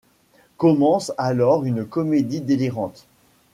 Commence alors une comédie délirante.